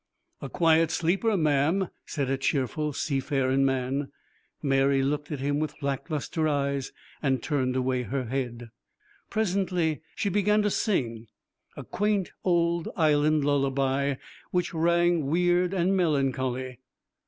'A quiet sleeper, ma'am,' said a cheerful sea faring man. Mary looked at him with lack lustre eyes and turned away her head. Presently she began to sing, a quaint old Island lullaby, which rang weird and melancholy.